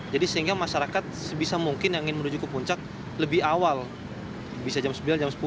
jadi sehingga masyarakat sebisa mungkin yang ingin menuju ke puncak lebih awal bisa jam sembilan jam sepuluh